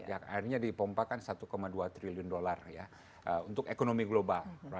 akhirnya dipompakan satu dua triliun dolar untuk ekonomi global